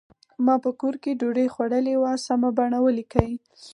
ما په کور کې ډوډۍ خوړلې وه سمه بڼه ولیکئ.